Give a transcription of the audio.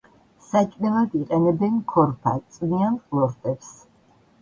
საჭმელად იყენებენ ქორფა, წვნიან ყლორტებს.